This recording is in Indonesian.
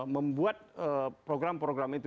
membuat program program itu